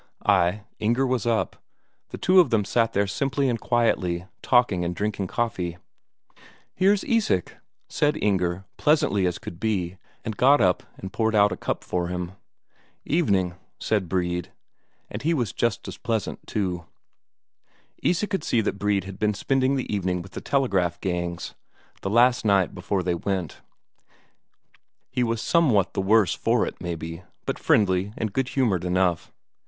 Ay, Inger was up, the two of them sat there simply and quietly, talking and drinking coffee. "Here's Isak," said Inger pleasantly as could be, and got up and poured out a cup for him. "Evening," said Brede, and was just as pleasant too. Isak could see that Brede had been spending the evening with the telegraph gangs, the last night before they went; he was somewhat the worse for it, maybe, but friendly and good humoured enough.